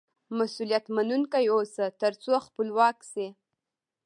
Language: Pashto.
مسئولیت منونکی واوسه، تر څو خپلواک سې.